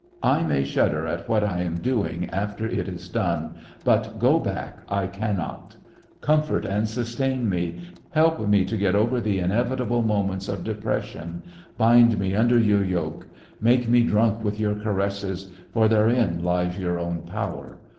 I may shudder at what I am doing after it is done, but go back I cannot. Comfort and sustain me; help me to get over the inevitable moments of depression, bind me under your yoke. Make me drunk with your caresses, for therein lies your own power.